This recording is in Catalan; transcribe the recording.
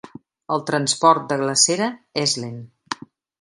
El transport de glacera és lent.